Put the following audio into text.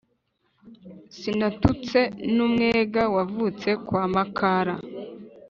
Sinatutse n'Umwega wavutse kwa Makara